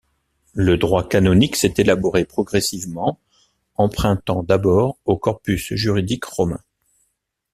Le droit canonique s'est élaboré progressivement, empruntant d'abord au corpus juridique romain.